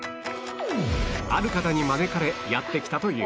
ある方に招かれやって来たという